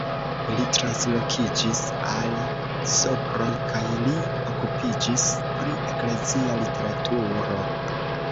Li translokiĝis al Sopron kaj li okupiĝis pri eklezia literaturo.